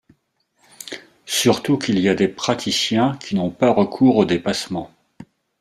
Surtout qu’il y a des praticiens qui n’ont pas recours aux dépassements.